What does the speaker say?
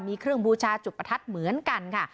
มีเครื่องบูชาจุดประทัดเหมือนกันค่ะ